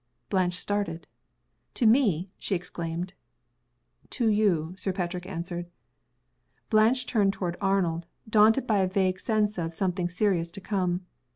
Blanche started. "To me!" she exclaimed. "To you," Sir Patrick answered. Blanche turned toward Arnold, daunted by a vague sense of something serious to come.